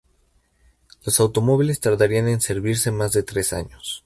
Los automóviles tardarían en servirse más de tres años.